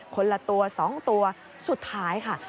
คนละตัว๒ตัวสุดท้ายค่ะ